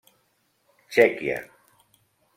Txèquia.